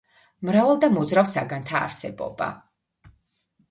მრავალ და მოძრავ საგანთა არსებობა.